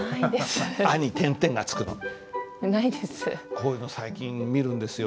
こういうの最近見るんですよ